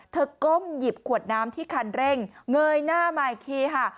ก้มหยิบขวดน้ำที่คันเร่งเงยหน้ามาอีกทีค่ะ